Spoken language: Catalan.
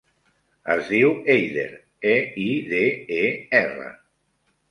Es diu Eider: e, i, de, e, erra.